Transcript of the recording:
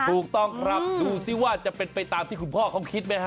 ถูกต้องครับดูซิว่าจะเป็นไปตามที่คุณพ่อเขาคิดไหมฮะ